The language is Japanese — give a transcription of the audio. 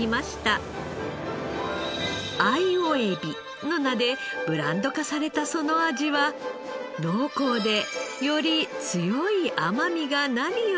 「あいおえび」の名でブランド化されたその味は濃厚でより強い甘みが何よりの特長。